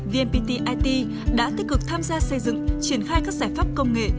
vnpt it đã tích cực tham gia xây dựng triển khai các giải pháp công nghệ